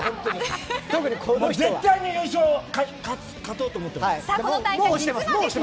絶対に優勝をかとうと思ってます。